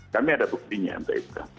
kami ada buktinya entah itu